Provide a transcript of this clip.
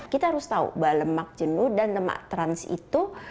kita harus tahu bahwa lemak jenuh dan lemak trans itu